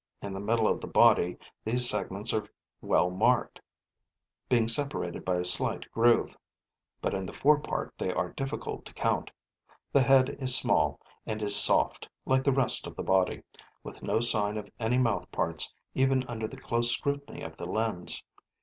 In the middle of the body these segments are well marked, being separated by a slight groove; but in the forepart they are difficult to count. The head is small and is soft, like the rest of the body, with no sign of any mouth parts even under the close scrutiny of the lens.